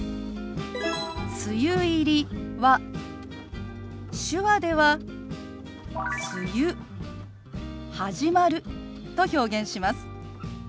「梅雨入り」は手話では「梅雨始まる」と表現します。